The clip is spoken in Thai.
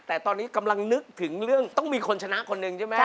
แต่ตอนนี้กำลังนึกถึงเรื่องต้องมีคนชนะคนหนึ่งใช่ไหม